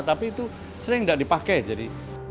tapi itu sering tidak dipakai jadi